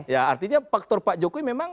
ya artinya faktor pak jokowi memang